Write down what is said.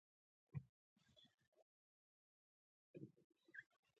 په اسټرالیا کې د لاتینې امریکا انتخاب موجود نه و.